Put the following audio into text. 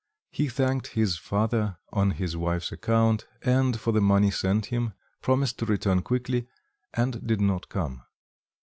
He thanked his father on his wife's account, and for the money sent him, promised to return quickly and did not come.